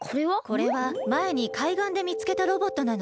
これはまえにかいがんでみつけたロボットなの。